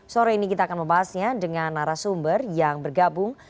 sore ini kita akan membahasnya dengan narasumber yang bergabung